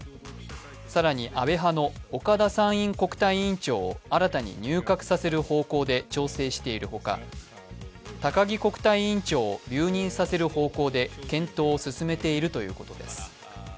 更に安倍派の岡田参院国対委員長を新たに入閣させる方向で調整しているほか高木国対委員長を留任させる方向で検討を進めているということです。